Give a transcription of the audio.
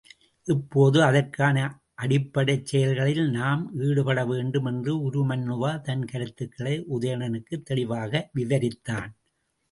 இப்போது அதற்கான அடிப்படைச் செயல்களில் நாம் ஈடுபட வேண்டும் என்று உருமண்ணுவா தன் கருத்துக்களை உதயணனுக்குத் தெளிவாக விவரித்தான்.